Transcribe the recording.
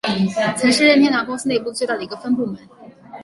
曾是任天堂公司内部最大的一个分部门。